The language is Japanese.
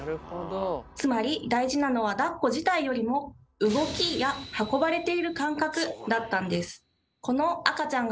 つまり大事なのはだっこ自体よりも「動き」や「運ばれている感覚」だったんです。